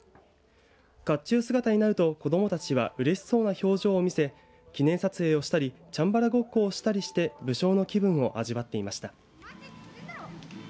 かっちゅう姿になると子どもたちはうれしそうな表情を見せ記念撮影をしたりチャンバラごっこをしたりして武将の気分を味わっていました。